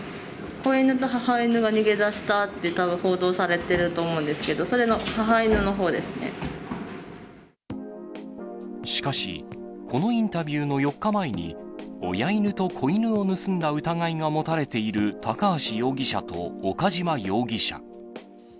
子犬と母犬が逃げ出したって、たぶん、報道されてると思うんでしかし、このインタビューの４日前に、親犬と子犬を盗んだ疑いが持たれている高橋容疑者と岡島容疑者。